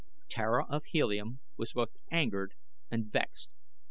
Tara of Helium was both angered and vexed.